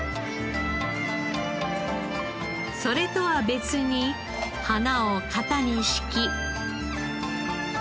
それとは別に花を型に敷き。